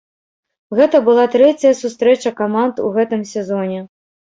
Гэта была трэцяя сустрэча каманд у гэтым сезоне.